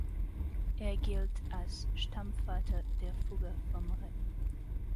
Er gilt als Stammvater der Fugger vom Reh.